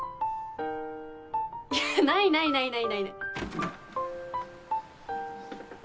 いやないないないない。